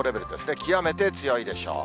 極めて強いでしょう。